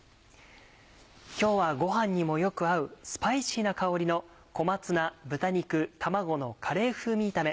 今日はご飯にもよく合うスパイシーな香りの「小松菜豚肉卵のカレー風味炒め」。